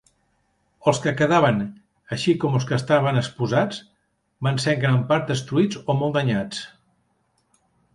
Els que quedaven, així com els que estaven exposats, van ser en gran part destruïts o molt danyats.